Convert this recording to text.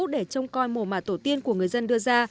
để trông coi mộ mả tổ tiên của người dân đưa ra